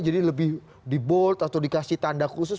jadi lebih di bold atau dikasih tanda khusus